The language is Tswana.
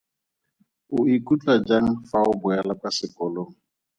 O ikutlwa jang fa o boela kwa sekolong?